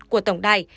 của tổng đài